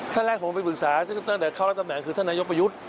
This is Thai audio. ท่านแรกผมไปปรึกษาตั้งแต่เข้ารับตำแหน่งคือท่านนายกประยุทธ์